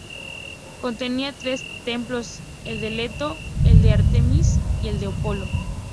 Contenía tres templos: el de Leto, el de Ártemis y el de Apolo.